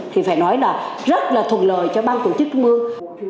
thì phải nói là rất là thuộc lời cho ban tổ chức trung ương